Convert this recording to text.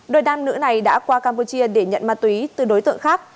đội đam nữ này đã qua campuchia để nhận ma túy từ đối tượng khác